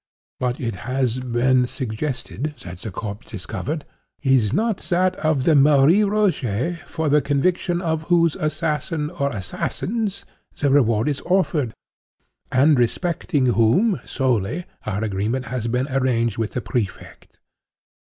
But it has been suggested that the corpse discovered, is not that of the Marie Rogêt for the conviction of whose assassin, or assassins, the reward is offered, and respecting whom, solely, our agreement has been arranged with the Prefect.